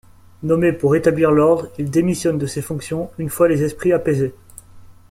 Nommé pour rétablir l'ordre, il démissionne de ses fonctions une fois les esprits apaisés.